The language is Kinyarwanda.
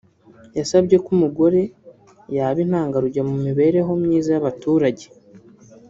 yasabye ko umugore yaba intangarugero mu mibereho myiza y’abaturage